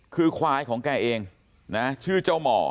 คือควายของแกเองนะชื่อเจ้าหมอ